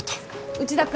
内田君。